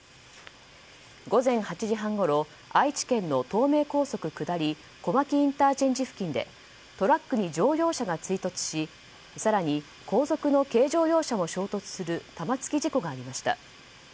午前８時半ごろ愛知県の東名高速下り小牧ＩＣ付近でトラックに乗用車が追突し更に後続の軽乗用車も衝突する玉突き事故がありました。